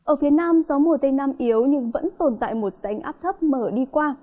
ở phía nam gió mùa tây nam yếu nhưng vẫn tồn tại một rãnh áp thấp mở đi qua